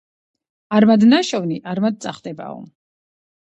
არმად ნაშოვნი - არმად წახდებაო.